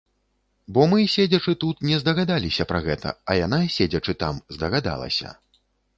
Бо мы, седзячы тут, не здагадаліся пра гэта, а яна, седзячы там, здагадалася.